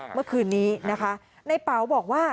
เมื่อคืนนี้นะคะในเป๋าบอกว่า